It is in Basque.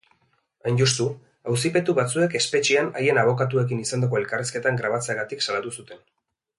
Hain justu, auzipetu batzuek espetxean haien abokatuekin izandako elkarrizketan grabatzeagatik salatu zuten.